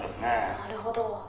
「なるほど」。